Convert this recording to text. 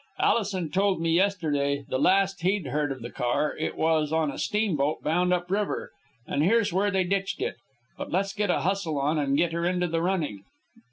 Allison told me yesterday the last he'd heard of the car it was on a steamboat bound up river. And here's where they ditched it but let's get a hustle on and get her into the running."